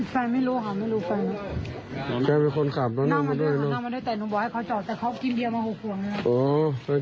แฟนไม่รู้ค่ะไม่รู้แฟน